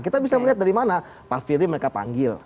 kita bisa melihat dari mana pak firly mereka panggil